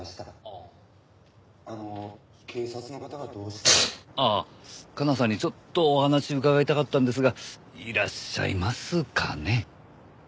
ああ加奈さんにちょっとお話を伺いたかったんですがいらっしゃいますかね？